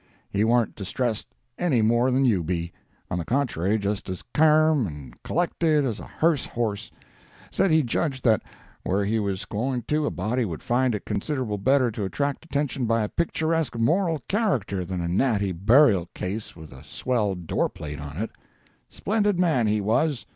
He warn't distressed any more than you be—on the contrary just as carm and collected as a hearse horse; said he judged that wher' he was going to, a body would find it considerable better to attract attention by a picturesque moral character than a natty burial case with a swell door plate on it. Splendid man, he was.